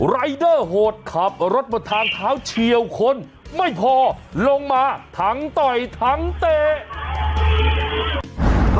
รายเดอร์โหดขับรถบนทางเท้าเฉียวคนไม่พอลงมาทั้งต่อยทั้งเตะ